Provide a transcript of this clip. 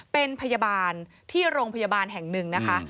เป็นพยาบาลที่โรงพยาบาลแห่งหนึ่งนะคะ